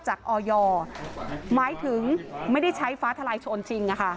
ออยหมายถึงไม่ได้ใช้ฟ้าทลายโชนจริง